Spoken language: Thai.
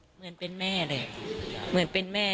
เหมือนเป็นแม่เลยเหมือนเป็นแม่